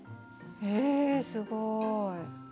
えすごい。